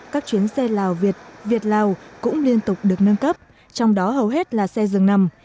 các chuyến xe lào việt việt lào cũng liên tục được nâng cấp trong đó hầu hết là xe dừng nằm